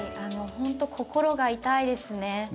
本当、心が痛いですね。